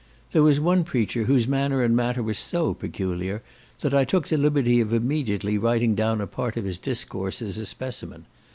There was one preacher whose manner and matter were so peculiar, that I took the liberty of immediately writing down a part of his discourse as a specimen.